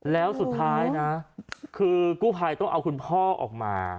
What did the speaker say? แล้วสุดท้ายนะคือกู้ภัยต้องเอาคุณพ่อออกมา